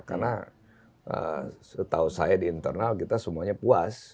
karena setahu saya di internal kita semuanya puas